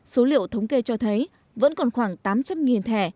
số liệu thống kê cho thấy vẫn còn khoảng tám trăm linh thẻ